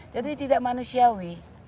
jadi tidak manusiawi